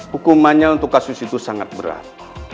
hukumannya untuk kasus itu sangat berat